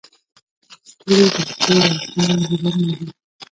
• ستوري د شپې د اسمان زیورونه دي.